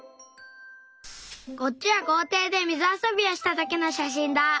こっちはこうていでみずあそびをしたときのしゃしんだ。